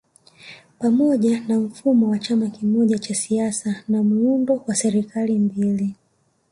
Pamoja na mfumo wa chama kimoja cha siasa na muundo wa serikali mbili